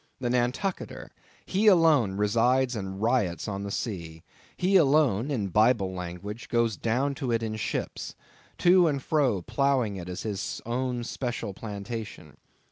The Nantucketer, he alone resides and riots on the sea; he alone, in Bible language, goes down to it in ships; to and fro ploughing it as his own special plantation.